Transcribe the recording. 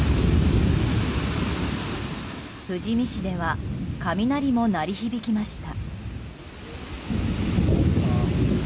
富士見市では雷も鳴り響きました。